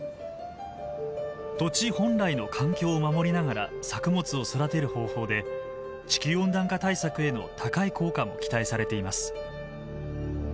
土地本来の環境を守りながら作物を育てる方法で地球温暖化対策への高い効果も期待されています。